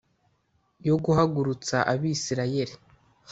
yo guhagurutsa abisirayeli